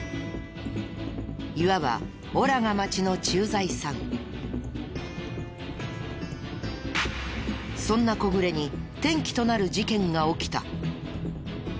いわばそんな小暮に転機となる事件が起きた。